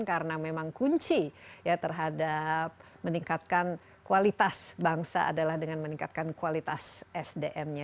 karena memang kunci terhadap meningkatkan kualitas bangsa adalah dengan meningkatkan kualitas sdm nya